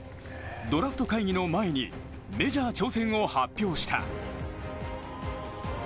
ドラフト会議の前にメジャー挑戦を発表した。